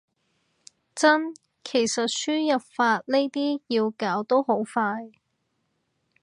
真，其實輸入法呢啲要搞都好快